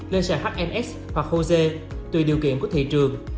lên sàn hns hoặc jose tùy điều kiện của thị trường